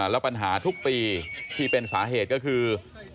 แล้วปัญหาทุกปีที่เป็นสาเหตุก็คือ